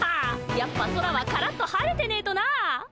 やっぱ空はカラッと晴れてねえとなあ。